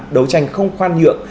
đấu tranh không khoan nhượng